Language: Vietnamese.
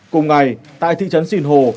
cùng ngày tại thị trấn sìn hồ